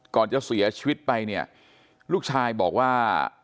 ก่อนจะเสียชีวิตไปเนี่ยลูกชายบอกว่า